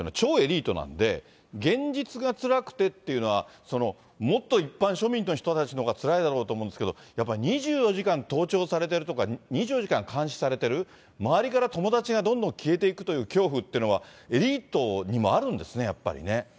これ、オ・ヘソンさんなんていうのは、超エリートなんで、現実がつらくてっていうのは、もっと一般庶民の人たちのほうがつらいだろうと思うんですけど、やっぱり２４時間盗聴されてるとか、２４時間監視されてる、周りから友達がどんどん消えていくという恐怖っていうのは、エリートにもあるんですね、やっぱりね。